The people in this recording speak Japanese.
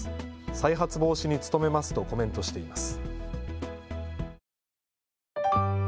再発防止に努めますとコメントしています。